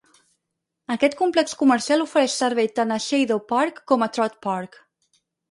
Aquest complex comercial ofereix servei tant a Sheidow Park com a Trott Park.